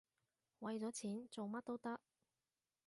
為咗錢，做乜都得